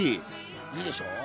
いいでしょ。